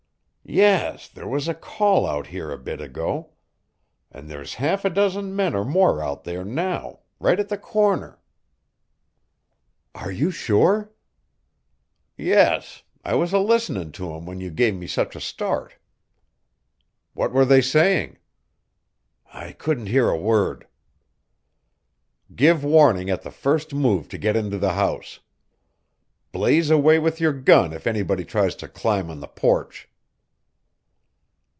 "Yes; there was a call out here a bit ago. And there's half a dozen men or more out there now right at the corner." "Are you sure?" "Yes; I was a listening to 'em when you give me such a start." "What were they saying?" "I couldn't hear a word." "Give warning at the first move to get into the house. Blaze away with your gun if anybody tries to climb on to the porch."